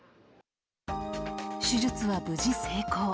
手術は無事成功。